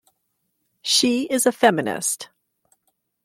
She is a feminist.